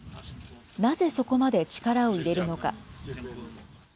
なぜそこまで力を入れるのか。